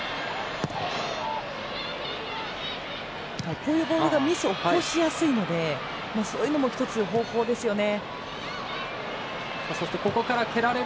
このボールがミスを起こしやすいのでそういうのも１つ方法ですよね。